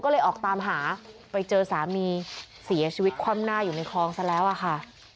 ก็เลยออกตามหาไปเจอสามีเสียชีวิตคว่ำหน้าอยู่ในคลองซะแล้วอะค่ะ